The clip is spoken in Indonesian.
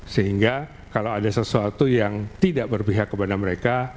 sehingga kalau ada sesuatu yang tidak berpihak kepada mereka